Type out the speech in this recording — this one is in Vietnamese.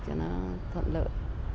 cho nó thuận lợi